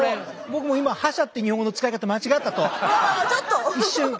僕も今覇者って日本語の使い方間違ったと一瞬後悔してます。